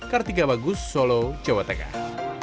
kartika bagus solo jawa tengah